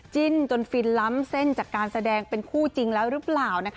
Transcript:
จิ้นจนฟินล้ำเส้นจากการแสดงเป็นคู่จริงแล้วหรือเปล่านะคะ